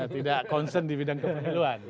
tidak concern di bidang kepemiluan